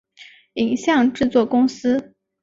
影像制作公司